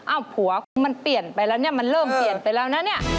ผัวคุณมันเปลี่ยนไปแล้วเนี่ยมันเริ่มเปลี่ยนไปแล้วนะเนี่ย